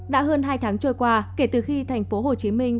đã hơn hai tháng trôi qua kể từ khi thành phố hồ chí minh